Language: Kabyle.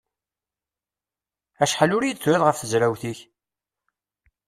Acḥal ur iyi-d-turiḍ ɣef tezrawt-ik?